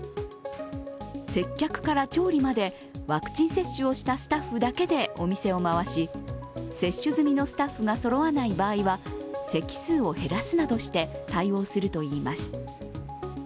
接客から調理までワクチン接種をしたスタッフだけでお店を回し接種済みのスタッフがそろわない場合は席数を減らすなどして対応するといいます。